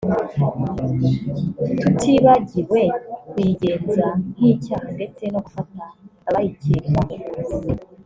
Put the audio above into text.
tutibagiwe kuyigenza nk’icyaha ndetse no gufata abayikekwaho